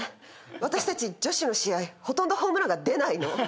私たち女子の試合ほとんどホームランが出ないの。